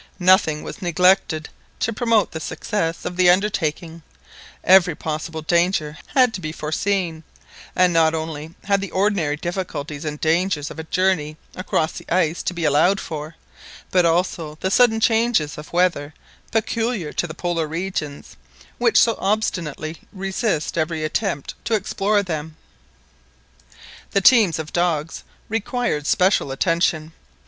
Nothing was neglected to promote the success of the undertaking, every possible danger had to be foreseen, and not only had the ordinary difficulties and dangers of a journey across the ice to be allowed for, but also the sudden changes of weather peculiar to the Polar regions, which so obstinately resist every attempt to explore them. The teams of dogs required special attention.